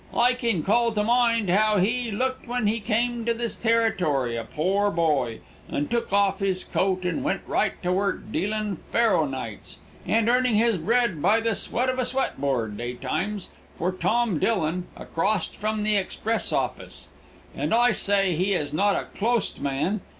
"I kin call to mind how he looked when he come to this territory a pore boy, and took off his coat and went right to work dealin' faro nights, and earning his bread by the sweat of a sweat board daytimes, for Tom Dillon, acrost from the express office. And I say he is not a clost man.